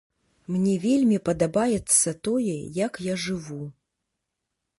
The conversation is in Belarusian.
Мне вельмі падабаецца тое, як я жыву.